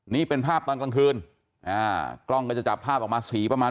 นี่เป็นภาพตอนกลางคืนอ่ากล้องก็จะจับภาพออกมาสีประมาณ